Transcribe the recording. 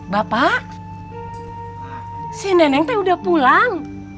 bapak si nenek saya sudah pulang